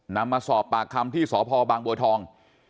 นำมาสอบปากคำที่สพบางบัวทอง